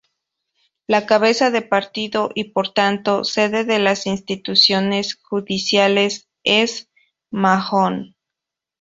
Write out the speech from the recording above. La cabeza de partido y por tanto sede de las instituciones judiciales es Mahón.